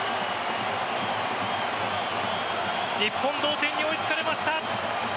日本、同点に追いつかれました。